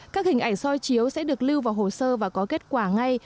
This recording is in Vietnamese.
các hình ảnh soi chiếu sẽ được lưu vào hồ sơ và có kết quả ngay